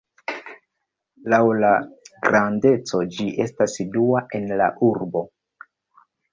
Laŭ la grandeco, ĝi estas dua en la urbo.